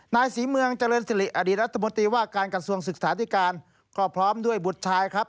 นายศรีเมืองเจริญสิริอดีตรัฐมนตรีว่าการกระทรวงศึกษาธิการก็พร้อมด้วยบุตรชายครับ